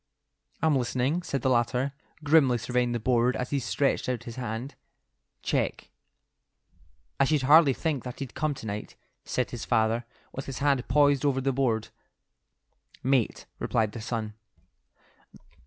"I'm listening," said the latter, grimly surveying the board as he stretched out his hand. "Check." "I should hardly think that he'd come to night," said his father, with his hand poised over the board. "Mate," replied the son.